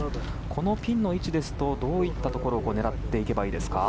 このピンの位置ですとどんなところを狙っていけばいいですか。